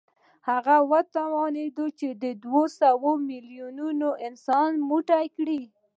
هغه وتوانېد چې دوه سوه ميليونه انسانان يو موټی کړي.